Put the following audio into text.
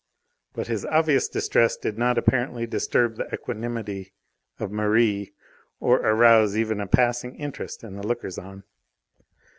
But his obvious distress did not apparently disturb the equanimity of Merri, or arouse even passing interest in the lookers on.